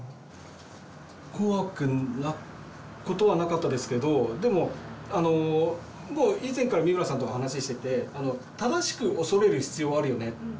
怖くなことはなかったですけどでももう以前から三村さんと話してて正しく恐れる必要はあるよねって。